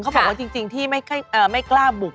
เขาบอกว่าจริงที่ไม่กล้าบุก